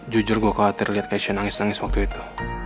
jujur gue khawatir liat keisha nangis dua waktu itu